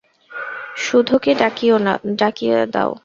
সুধোকে ডাকিয়া দাও।